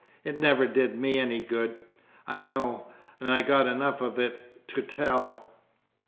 It never did me any good, I know, and I got enough of it to tell."